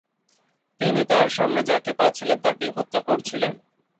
তিনি তার সামনে যাকে পাচ্ছিলেন তাকেই হত্যা করছিলেন।